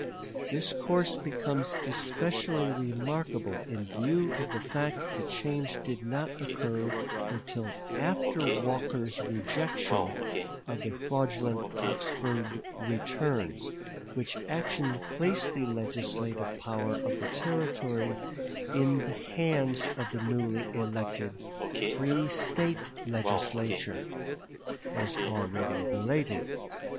This course becomes especially remarkable in view of the fact that the change did not occur until after Walker's rejection of the fraudulent Oxford returns, which action placed the legislative power of the Territory in the hands of the newly elected free State Legislature, as already related.